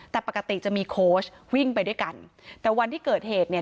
แต่ปกติจะมีโค้ชวิ่งไปด้วยกันแต่วันที่เกิดเหตุเนี่ย